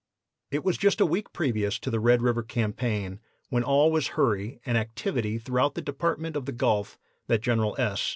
"It was just a week previous to the Red River campaign, when all was hurry and activity throughout the Department of the Gulf, that General S.